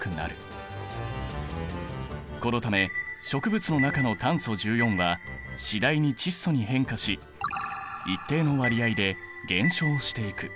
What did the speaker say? このため植物の中の炭素１４は次第に窒素に変化し一定の割合で減少していく。